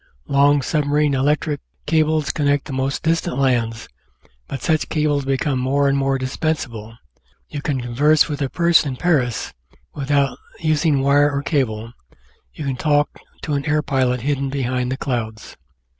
Long submarine electric cables connect the most distant lands, but such cables become more and more dispensable. You can converse with a person in Paris without using wire or cable; you can talk to an air pilot hidden behind the clouds.